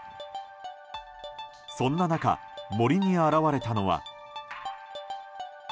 そんな中、森に現れたのは。